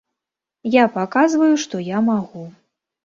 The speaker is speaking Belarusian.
Я паказваю, што я магу.